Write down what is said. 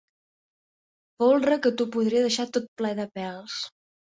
Folre que t'ho podria deixar tot ple de pèls.